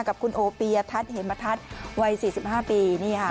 กับคุณโอปียะทัศน์เห็นมาทัศน์วัยสี่สิบห้าปีนี่ฮะ